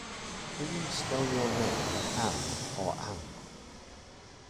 Do you spell your name Ann or Anne?